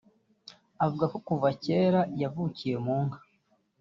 Avuga ko kuva kera yavukiye mu nka